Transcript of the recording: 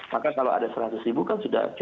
maka kalau ada seratus ribu kan sudah